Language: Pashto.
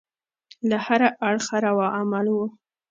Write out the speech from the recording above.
له هره اړخه روا عمل وو.